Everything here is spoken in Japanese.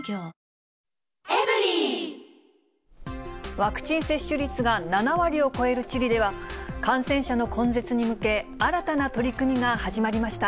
ワクチン接種率が７割を超えるチリでは、感染者の根絶に向け、新たな取り組みが始まりました。